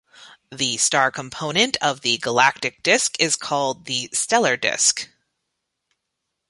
The star component of the galactic disc is called the stellar disc.